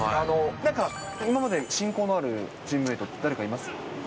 なんか、今まで親交のあるチームメートって誰かいます？